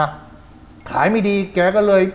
บางคนก็สันนิฐฐานว่าแกโดนคนติดยาน่ะ